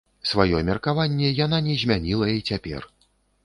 Сваё меркаванне яна не змяніла і цяпер.